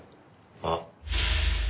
あっ。